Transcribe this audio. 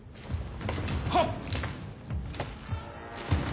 はっ！